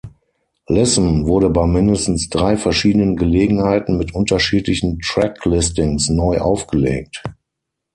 „Listen“ wurde bei mindestens drei verschiedenen Gelegenheiten mit unterschiedlichen Tracklistings neu aufgelegt.